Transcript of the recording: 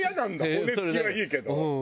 骨付きはいいけど。